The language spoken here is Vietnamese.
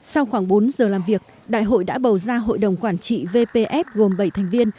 sau khoảng bốn giờ làm việc đại hội đã bầu ra hội đồng quản trị vpf gồm bảy thành viên